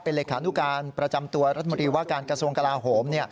เป็นเหลศนุการณ์ประจำตัวรัฐมดีว่าการกระทรวงกลาโหม